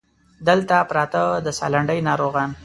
دلته پراته د سالنډۍ ناروغان